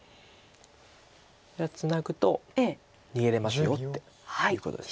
これはツナぐと逃げれますよっていうことです。